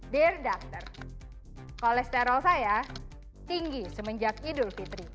dear doctor kolesterol saya tinggi semenjak idul fitri